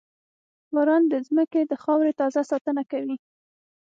• باران د زمکې د خاورې تازه ساتنه کوي.